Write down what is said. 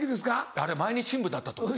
あれ毎日新聞だったと思う。